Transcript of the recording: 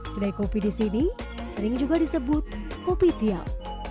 kedai kopi di sini sering juga disebut kopi tiam